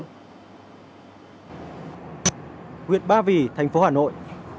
nguyện ba vì thành phố hà nội